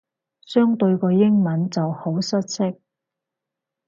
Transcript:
相對個英文就好失色